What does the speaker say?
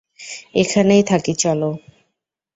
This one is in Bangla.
এখানেই থাকি চলো।